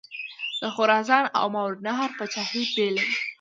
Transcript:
د خراسان او ماوراءالنهر پاچهي بېلې وې.